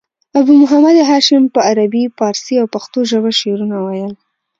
ابو محمد هاشم په عربي، پاړسي او پښتو ژبه شعرونه ویل.